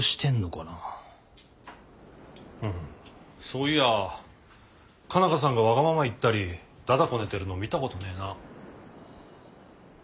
そういや佳奈花さんがわがまま言ったりだだこねてるの見たことねえな。